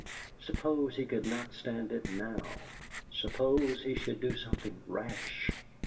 Suppose he could not stand it now! Suppose he should do something rash!